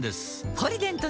「ポリデント」